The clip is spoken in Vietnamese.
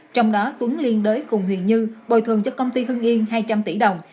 trong đó tuấn liên đới cùng huỳnh như bồi thường cho công ty hưng yên hai trăm linh tỷ đồng